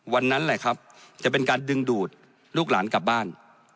นั่นแหละครับจะเป็นการดึงดูดลูกหลานกลับบ้าน